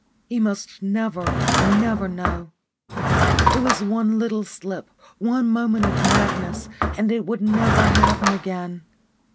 He must never, never know. It was one little slip, one moment of madness, and it would never happen again.